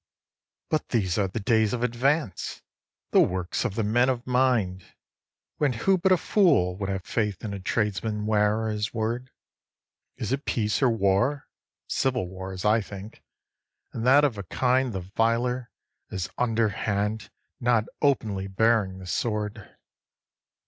7. But these are the days of advance, the works of the men of mind, When who but a fool would have faith in a tradesman's ware or his word? Is it peace or war? Civil war, as I think, and that of a kind The viler, as underhand, not openly bearing the sword.